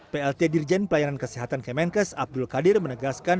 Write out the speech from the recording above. plt dirjen pelayanan kesehatan kemenkes abdul qadir menegaskan